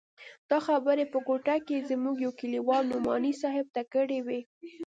دا خبرې په کوټه کښې زموږ يوه کليوال نعماني صاحب ته کړې وې.